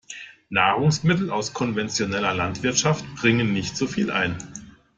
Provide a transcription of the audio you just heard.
Nahrungsmittel aus konventioneller Landwirtschaft bringen nicht so viel ein.